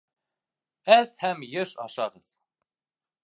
Әҙ һәм йыш ашағыҙ!